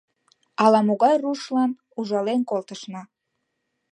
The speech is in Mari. — Ала-могай рушлан ужален колтышна.